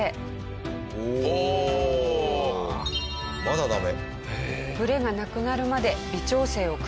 まだダメ？